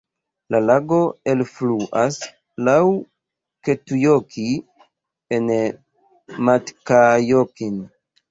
La lago elfluas laŭ Kettujoki en Matkajokin.